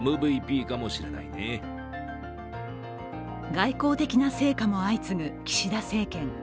外交的な成果も相次ぐ岸田政権。